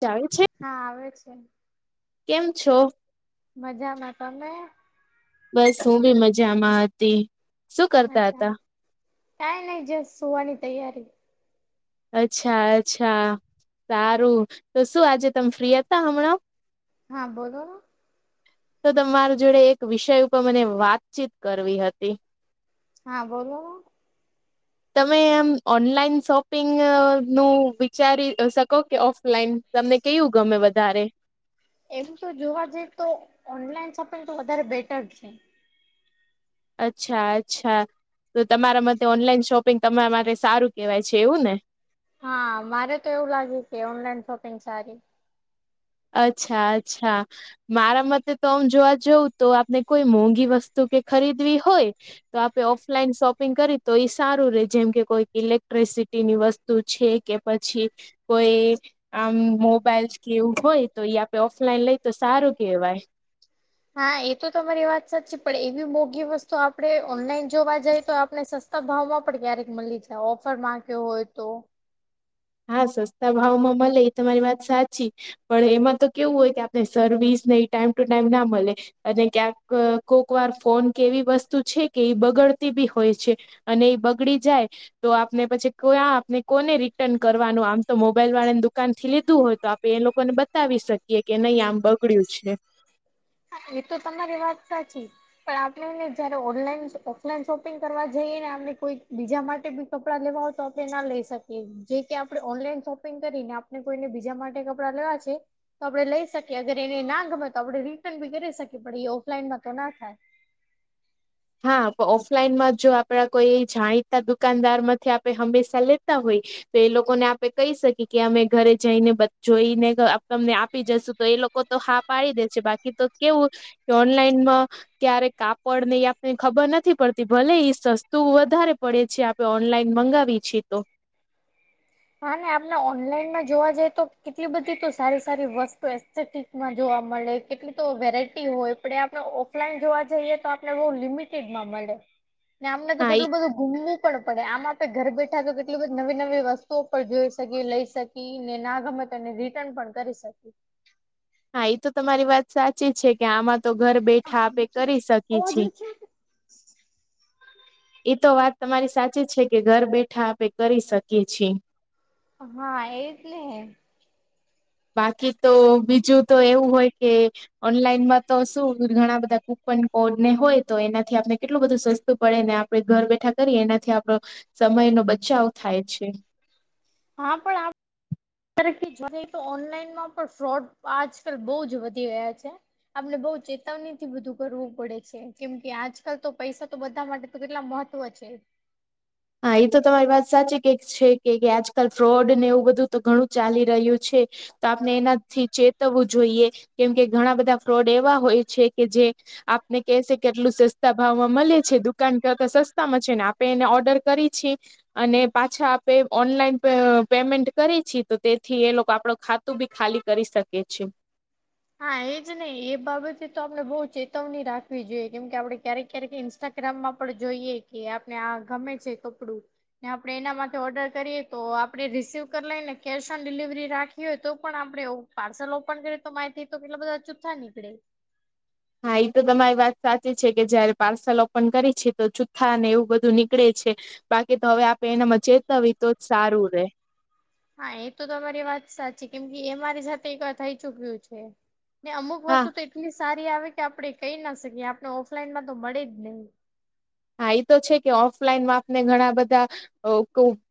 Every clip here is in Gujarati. ચાલે છે હા, આવે છે, કેમ છો મજામાં તમે? બસ હું બી મજામાં હતી. શું કરતા અચ્છા, હતા કઈ નઈ જ સુવાની તૈયારી. અચ્છા, અચ્છા, સારું તો શું? આજે તમે ફ્રી હતા હમણાં? હા, બોલો? તો તમારી જોડે એક વિષય ઉપર મને વાતચીત કરવી હતી. હા, બોલો. તમે એમ ઓનલાઈન શોપિંગ નું વિચારી શકો? કે, ઓફલાઈન તમને કેયું ગમે વધારે? એમ તો જોવા જઈએ તો, ઓનલાઈન શોપિંગ પિંગ તો વધારે બેટર છે. અચ્છા, અચ્છા, તો તમારા માટે ઓનલાઈન શોપિંગ તમારા માટે સારું કેહેવાય છે, એવું ને. હા, મારે તો એવું લાગ્યું કે, ઓનલાઈન શોપિંગ સારી. અચ્છા, અચ્છા. મારા મતે તો આમ જોવા જઉં તો, આપને કોઈ મોંઘી વસ્તુ કે ખરીદવી હોય. તો આપે ઓફલાઈન શોપિંગ કરી તો, એ સારું રે, જેમ કે કોઈક ઇલેક્ટ્રિસિટીની વસ્તુ. તું છે કે પછી કોઈ આમ મોબાઈલ કે એવું હોય તો એ આપડે ઓફલાઈન લઈ તો સારું કેવાય [inaudible] હા એ તો તમારી વાત સાચ છે પણ એવી મોઘી વસ્તુ આપડે ઓનલાઈન જોવા જઈએ તો આપણે સસ તા ભાવમાં પણ ક્યારેક મળી જાય ઓફર માંક્યો હોય તો હા સસ્તા ભાવ માં મળે તમારી વાત સાચી પણ એમાં તો કેવું હોય કે આપને સર્વિસ ને ઈ ટાઈમ ટુ ટાઈમ ના મળે અને ક્યાંક કોક વાર ફોન કે એવી વસ્તુ છે કે એ બગડતી બી હોય છે અને એ બગડી જાય તો આપને પછી કો આપને કોને રી ટન કરવાનું આમ તો મોબાઈલ વાળા દુકાન થી લીધું હોય તો આપે એ લોકોને બતાવી શ કિએ કે નઈ આમ બગડય્યું છે એ તો તમારી વાત સાચી પણ આપણને જયારે ઓનલાઈન ઓફલાઈન શોપિંગ કરવા જઈએ ને આપને કોઈ બીજા માટે બી કપડા લેવા હોય તો આપણે ના લઈ શકીએ જે કે આપડે ઓનલાઈન શોપિંગ કરીને આપડે કોઈને બીજા માટે કપ પડા લેવા છે તો આપડે લઈ શકીએ અગર એને ના ગમે તો આપડે રી ટન બી કરી શકે પણ એ ઓફલાઈનમાં તો ના થાય હા ઓફલાઈનમાં જો આપડા કોઈ એ જાણીતા દુકાનદાર માંથી આપડે હંમેશા લેતા હોય તો એ લોકોને આપે કહી શકીએ કે અમે ઘરે જઈને જોઈને તમને આપી જશુ તો એ લોક તો હા પાડી દે છે બાકી તો કેવું ઓનલાઈનમાં ક્યારે કાપડ ને ને ખબર નથી પડતી ભલે એ સસ્તું વધારે પડે છે આપે ઓનલાઈન મંગાવી છે તો હા ને આપને ઓનલાઈનમાં જોવા જઈએ તો કેટલી બધી સારી સારી વસ્તુ એસ્ટેટી માં જોવા મળે કેટલી તો વેરાયટી હોય પડે આપડે ઓફલાઈન જોવા જઈએ તો આપડે બો લિમિટ માં મળે ને આમને તો હા ઈ કેટલું બધું ઘુમવું પણ પડે આમ આપે ઘર બેઠા તો કેટલી બધી નવી નવી વસ તો પણ જોઈ શકી લઈ શકી ને ના ગમે તને રિટર્ન પણ કરી શકીએ હા એ તો તમારી વાત સાચી છે કે આમાં તો ઘર બેઠા આપે કરી શકીએ અવાજ છે આવે [inaudible] એ તો વાત તમારી સાચી છે કે ઘર બેઠા આપે કરી શકીએ છીએ હા એટલે બાકી તો બીજું તો એવું હોય કે ઓનલાઈનમાં તો શું ઘણા બધા કુપન કોડ ને હોય તો એનાથી આપને કેટલું બધું સસ્તું પડે ને આ પડે ઘર બેઠા કરીએ એનાથી આપડો સમય નો બચાવ થાય છે હા પણ આ [unintelligible] જો જઈએ તો ઓનલાઈનમાં પણ ફ્રોડ આજકાલ બહુ જ વધી રહ્યા છે આપને બહુ ચેતવણી થી બધું કરવું પડે છે કેમ કે આજકાલ તો પૈસા તો બધા માટે તો કેટલા મહત્વ છે હા એ તો તમારી વાત સાચી કક છે કે આજકાલ ફ્રોડ ને એવું બધું તો ઘણું ચાલી રહ્યું છે તો આપણે એનાથી ચેતવવું જોઈએ કેમકે ઘણા બધા ફ્રોડ એવા હોય છે કે જે આપને કેશે કેટલું સસ્તા ભાવમાં મળે છે દુકાન કરતા સસ્તામાં છે ને આપે એને ઓર્ડર કરી છે અને પાછા આપે ઓનલાઈન પેમેન્ટ કરી છી તો તેથી એ લોકો આપડો ખા તુબી ખાલી કરી શકે છે હા એજ ને એ બાબતે તો આપને બઉ ચેતવણી રાખવી જોઈએ કેમ કે આપડે ક્યારેક ક્યારેક ઈન્સ ટાગ્રામમાં પણ જોઈએ કે આપને આ ગમે છે કપડું ને આપડે એના માટે ઓર્ડર કરીએ તો આપડે રિસીવ કરી લઈએ ને કેશ ઓન ડિલિવરી રાખી હોય તો પણ આપડે આવું પાર્સલ ઓપન કરી તો માહિતી તો કેટલા બધા અચૂ્ા નીકળે હા એ તો તમારી વાત સાચી છે કે જયારે પાર્સલ ઓપન કરી છે, તો જુથ્થા અને એવુ બધુ નીકળે છે. બાકી તો હવે આપે એના મચેતા હોય તો જ સારુ રે હા એ તો તમારી વાત સાચી કેમ કે એ મારી સાથે એક થઈ ચુક્યુ છે. ને અમુક હા વસ્તુ તો એટલી સારી આવે કે આપડે કઈ ના શકીએ આપને ઓફલાઈનમાં તો મળે જ નહી હા એ તો છેકે, ઓફલાઈન માપ ને ઘણા બધા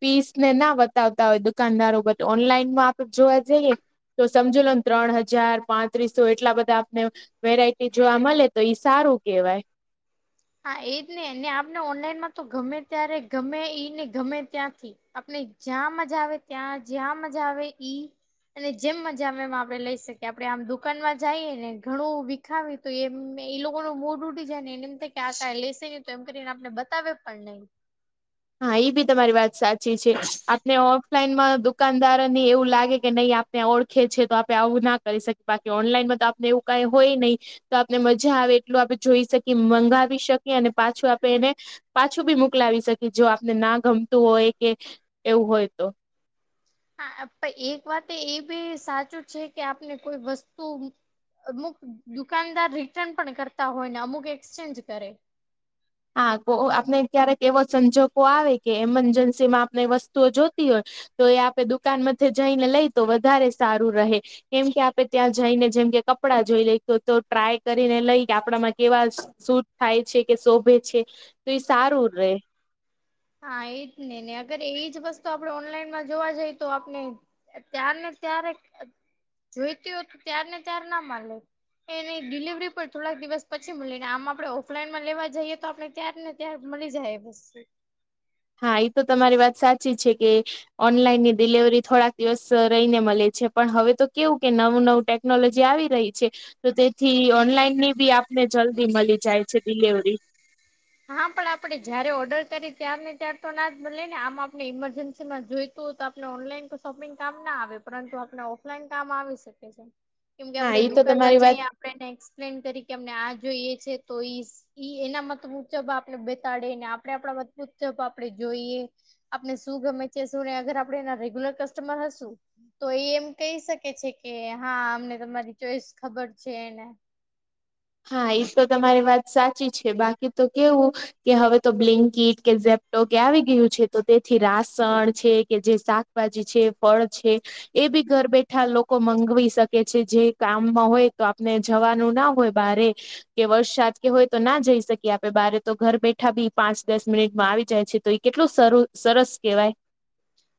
પીસને ના બતાવતા હોય દુકાનદારો બધ ઓનલાઈન માં આપણે જોવા જઈએ. તો સમજ લોને ત્રણ હજાર પાંત્રીસો એટલા બધા આપને વેરાયટી જો આ મળે તો ઈ સારુ કેહેવાય હા, એજ ને ને આપને ઓનલાઈનમા તો ગમે ત્યારે ગમે ઈને ગમે ત્યાંથી આપને જ્યાં મજા આવે ત્યા જ્યા મજા આવે ઈ અને જેમ મજામાં એમ આપડે લઈ શકીએ આપડણે આમ દુકાનમાં જઈએ ને ઘણુ ખાવી તુ એમ એ લોકો ન મૂડ ઉડી જાય ને એને એમ ક આ કઈ લેશે ન તો એમ કરીને આપને બતાવે પણ નહી હા એ બી તમારી વાત સાચી છે, આપને ઓફલાઈનમાં દુકાનદાર ને એવું લાગે કે નહી આપને ઓળખેી તો આપણે આવું ના કરી શકીએ બાકી ઓનલાઈનમાં આપને એવું કઈ હોય, નહી તો આપને મજા આવે એટલું આપણે જોઈ, શકીએ મંગાવી શકીએ અને પાછું આપણે એને પાછું બી મોકલાવી શકે જો આપને ના ગમતુ હોય, કે એવું હોય તો હા એક વાત એ બી સાચુ છેકે, આપને કોઈ વસ્તુ અમુક દુકાનદાર રિટર્ન પણ કરતા હોય ને અમુક એક્સચેન્જ કરે હા આપણે ક્યારેક એવો સંજોગો આવે કે એમરજન્સીમા આપણે વસ્તુઓ જોતી હોય. તો એ આપડે દુકાન મથી જઈને, લઈ તો વધારે સારુ રહે કેમ કે આપડે ત્યાં જઈને જેમ કે કપડા જોઈ, લઈ તો ટ્રાય કરીને લઈ કે આપડામાં કેવા શૂટ થાય છેકે, શોભે છે, તો એ સારુ ર હા એજ ને ને અગર એ જ વસ્તુ આપણે ઓનલાઈનમા જોવા જઈએ, તો આપણે ત્યાર ને ત્યારે જોઈતી હોયત ત્યારને ત્યારે ના માલે એની ડિલવરી પણ થોડાક દિવસ પછી મળીને આમ આપડણે ઓફલાઈનમા લેવા જઈએ, તો આપણે ત્યાર ને ત્યા મળી જાય બસ હા એ તો તમારી વાત સાચી છે, કે ઓનલાઈન ની ડિલિવરી થોડાક દિવસ રહીને મળે છે, પણ હવે તો કેવું કે નવુ નવુ ટેક્ ટેકનોલોજી આવી રહી છે. તો તેથી ઓનલાઈન ની બી આપને જલ્દી મળી જાય છે, ડિલવરી હા, પણ આપડણે જયારે ઓર્ડર કરી ત્યાર ને ત્યાર તો ના જ મળ ને આમ આપણે ઈમરજન્સી માં જોય. તુ તો આપણે ઓનલાઈન તો શોપિંગ કામ ના આવે પરતુ આપણે ઓફલાઈન કામ આવી શકે છે. કેમ કે હા આપડે એ તો દુકાનમા તમારી વાત જઈ ને એક્સપ્લેન કરી કે અમને આ જોઈએ છે તો ઈ એના મતલબ ઉજબ આપણે બતાડે ને આપડણે આપણાજબ આપડે જોઈએ. આપણે શુ ગમે છે, શુ ને અગર આપડણે એના રેગ્યુલર કસ્ટમર હશુ તો એ એમ કહી શકે છેકે, હા અમને તમારી ચોઈસ ખબર છે એને હા એ તો તમારી વાત સાચી છે બાકી તો કેવુ કે હવે તો બ્લિન્કીિટ કે ઝેપ્ટો કે આવી ગયુ છે, તો તેથી રાસણ છેકે, જે શાક બાજી છે ફળ છે. એ બી ઘર બેઠા લોકો મગાવ શકે છેજે, કામમા હોય તો આપને જવાનું ના હોય. બારે કે વરસાદ સાજ કે હોય તો ના જઈ શકીએ. આપણે બારે તો ઘર બેઠા બી પાંચ દસ મિનિટમાં આવી જાય છે. તો કેટલું સર સરસ કેવાય?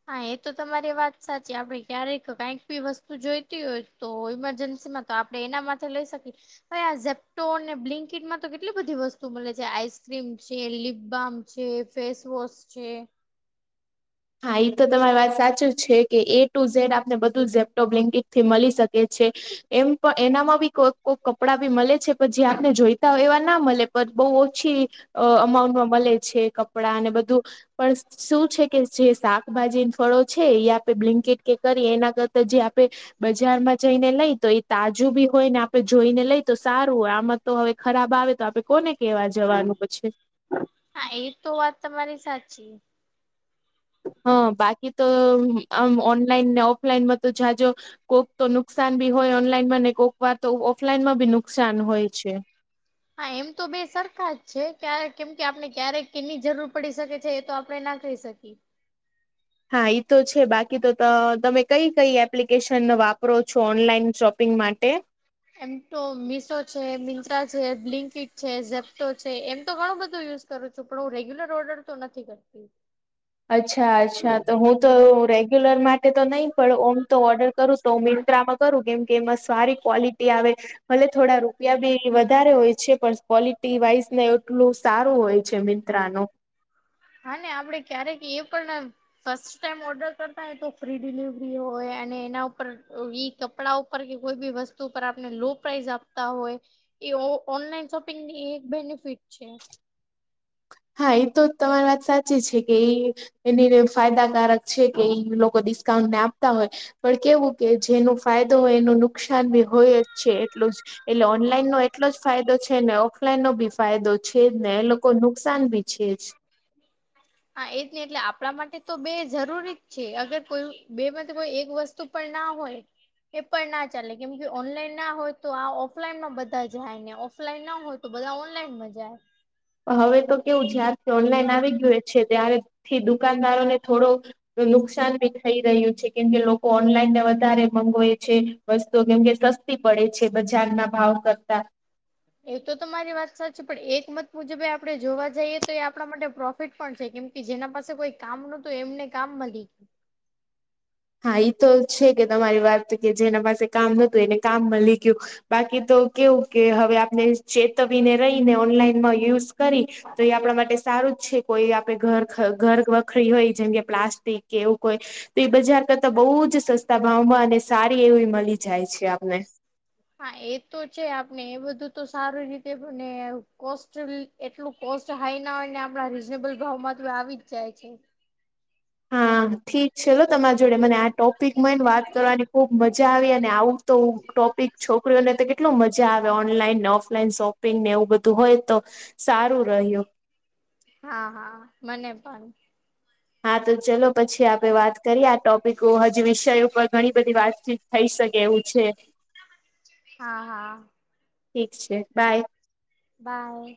હા, એ તો તમારી વાત સાચી. આપણે ક્યારેક કઈક બી વસ્તુ જોઈતી હોય. તો ઈમરજન્સીમાં તો આપણે એના માટે લઈ શકીએ. હવે, આ ઝપ્ટોનને બ્લિન્કીટમાં તો કેટલી બધી વસ્તુ મળે છે. આઈસક્રીમ છે, લિપબામ છે, ફેસ વોશ છે. હા, એ તો તમારી વાત સાચી છે કે, એ ટુ ઝેડ આપને બધું લેપટોપ લિન્કેટથી મળી શકે છે. એમ પણ એનામાં બી કોઈ કોઈ કપડાં બી મળે છે, પણ જે આપને જોઈતા હોય એવા ના મળે, પણ બહુ ઓછી અ અમાઉન્ટમાં મળે છે, કપડાં અને બધું પણ શું છે? કે જે શાકભાજી-ફળો છે, એ આપે બ્લન્કેટ કે કરીએ, એના કરતા જે આપે. બજાર માં જઈને લઈ તો, એ તાજું બી હોય ને, આપડે જોઈને લઈ તો સારું હોય આમાં. તો હવે ખરાબ આવે તો, આપે કોને કેવા જવાનું પછી. હા એ તો વાત તમારી સાચી. હા, બાકી તો. આમ ઓનલાઈન ને ઓફલાઈનમાં તો જાજ. કોઈક તો નુકસાન બી હોય ઓનલાઈન માં ને, કોઈક વાર તો ઓફલાઈન માં બી નુકસાન હોય છે. હા, એમ તો બે સરખા જ છે, ક્યારે કેમ કે આપણે ક્યારેક કેની જરૂર પડી શકે છે, એ તો આપડના. થઈ શકી. હા, એ તો છે, બાકી તો તમે કઈ કઈ એપ્લિકેશન વાપરો છો? ઓનલાઈન શોપિંગ માટે. એમ તો મીશો છે, મિંત્રા છે, બ્લિન્કીટ છે, ઝેપ્ટો છે, એમ તો ઘણો બધો યુઝ કરું છું, પણ હું રેગ્યુલર ઓર્ડર તો નથી કરતી. અચ્છા, અચ્છા, તો હું તો રેગ્યુલર માટે તો નહીં, પણ ઓમ તો ઓર્ડર કરું તો, મિંત્રામાં કરું, કેમ કે એમાં સારી ક્વોલિટી આવે. ભલે થોડા રૂપિયા બી વધારે હોય છે, પણ ક્વોલિટી વાઈઝ ને એટલું સારું હોય છે, મન નું. હા, આપડે ક્યારેક એ પણ. ફર્સ્ટ ટાઈમ ઓર્ડર કરતા હોય તો, ફ્રી ડિલિવરી હોય, અને એના ઉપર એ કપડા. ઉપર કે, કોઈ બી વસ્તુ પર આપને લો પ્રાઇસ આપતા હોય. એ ઓનલાઈન શોપિંગની એક બેનિફિટ છે. હા, એ તો તમારી વાત સાચી છે કે, એ એની ફાયદાકારક છે કે, એ લોકો ડિસ્કાઉન્ટ ને આપતા હોય. પણ કેવું કે, જેનો ફાયદો હોય, એનું નુકસાન બી હોય જ છે, એટલું જ. એટલે ઓનલાઈન નો એટલો જ ફાયદો છે ને, ઓફલાઈન નો ભી ફાયદો છે જ ને, એ લોકો ન નુકસાન ભી છે જ. હા, એ જ નહી, એટલે આપણા માટે તો બે જરૂરી જ છે, અગર કોઈ બે મ કો એક વસ્તુ. તો પણ ના હોય. એ પણ ના ચાલે, કેમ કે ઓનલાઈન ના હોય, તો આ ઓફલાઈનમાં બધા જાય ને, ઓફલાઈન ના હોય. તો બધા ઓનલાઈન મજા. હવે તો કેવું જયારથી ઓનલાઈન આવી ગયું છે, ત્યારેથી દુકાનદારો ને થોડો. નુકસાન ભી થઈ રહ્યું છે, કેમકે લોકો ઓનલાઈનને વધારે મગાવેય છે. વસ્તુ કેમ કે સસ્તી પડે છે, બજાર ના ભાવ કરતા. એ તો તો મારી વાત સાચી, પણ એક મત મુજબ આપડે જોવા જઈએ તો, એ આપણા માટે પ્રોફ તો પણ છે, કેમ કે જેના પાસે કોઈ કામ નતું, એમને કામ મળી ગયું. હા, એ તો છે કે, તમારી વાત કે જેના પાસે કામ હતું, એને કામમાં લઈ ગયું. બાકી તો કેવું કે, હવે આપણે ચેતવીને રહીને, ઓનલાઈન માં યુઝ કરી. તો એ આપણા માટે સારું જ છે, કોઈ આપણે ઘર ઘર વખરી હોય, જેમ કે પ્લાસ્ટિક કે એવું કોઈ તો એ બજાર કરતા બહુ જ સસ્તા ભાવમાં અને સારી એવી મલી જાય છે આપને હા એ તો છે આપણે એ બધું તો સારી રીતે પણ કોસ્ટ એટલું કોસ્ટ હાઈ ના હોય ને આપણા રીઝનેબલ ભાવમાં તો આવી જ જાય છે. હા ઠીક છેલો તમારા જોડે મને આ ટોપિકમાંને વાત કરવાની ખુબ મજા આવી અને આવું તો ટોપિક છોકરીઓને તો કેટલો મજા આવે ઓનલાઈન ને ઓફલાઈન શોપિંગ ને એવું બધું હોય તો સારું રહ્યું હા હા મને પણ હા તો ચલો પછી આપે વાત કરીએ આ ટોપિકો હજી વિષયો ઉપ ઘણી બધી વાતચીત થઈ શકે એવું છે. હા હા ઠીક છે બાય બાય